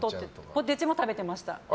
ポテチも食べてました。